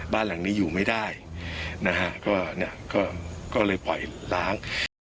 บ้านหลังนี้อยู่ไม่ได้นะฮะก็เนี่ยก็เลยปล่อยล้าง